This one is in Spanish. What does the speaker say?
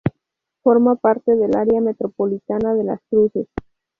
Forma parte del área metropolitana de Las Cruces.